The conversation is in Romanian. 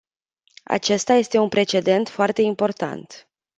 Acesta este un precedent foarte important.